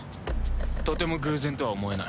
とても偶然とは思えない。